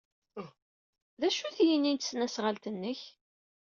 D acu-t yini n tesnasɣalt-nnek?